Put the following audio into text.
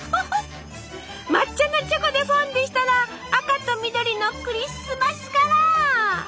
抹茶のチョコでフォンデュしたら赤と緑のクリスマスカラー！